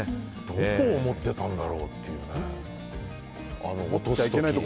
どこを持ってたんだろうっていうね。